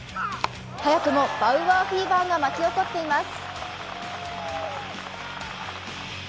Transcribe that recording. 早くもバウアーフィーバーが巻き起こっています。